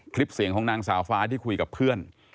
คลิปเสียงของนางสาวฟ้าที่คุยกับเพื่อน